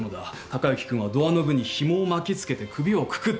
貴之君はドアノブにひもを巻き付けて首をくくった